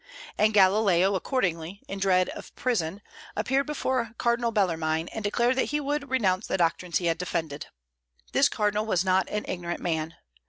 And Galileo accordingly, in dread of prison, appeared before Cardinal Bellarmine and declared that he would renounce the doctrines he had defended. This cardinal was not an ignorant man.